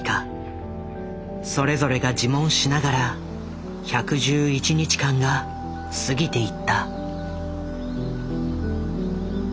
それぞれが自問しながら１１１日間が過ぎていった。